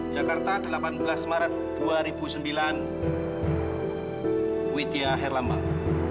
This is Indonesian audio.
jakarta delapan belas maret dua ribu sembilan widya herlambang